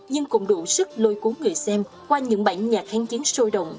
nhưng cũng đủ sức lôi cuốn người xem qua những bản nhạc kháng chiến sôi động